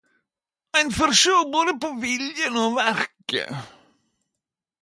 Ein fær sjå både på Viljen og på Verket.